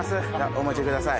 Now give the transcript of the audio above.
お持ちください。